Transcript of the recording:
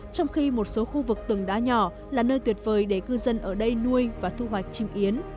trong khi một số khu vực từng đá nhỏ là nơi tuyệt vời để cư dân ở đây nuôi và thu hoạch chim yến